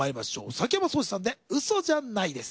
崎山蒼志さんで『嘘じゃない』です。